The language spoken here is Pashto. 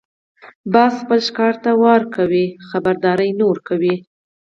باز خپل ښکار ته وار کوي، خبرداری نه ورکوي